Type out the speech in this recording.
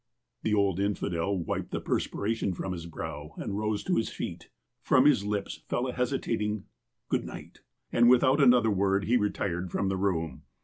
The old infidel wiped the perspiration from his brow and rose to his feet. From his lips fell a hesitating "Good night," and without another word he retired from the room.